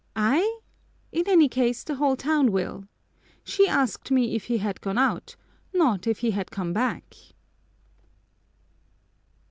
"I? In any case the whole town will! She asked me if he had gone out, not if he had come back!"